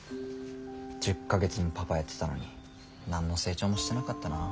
１０か月もパパやってたのに何の成長もしてなかったな。